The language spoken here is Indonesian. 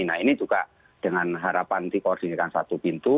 nah ini juga dengan harapan dikoordinasikan satu pintu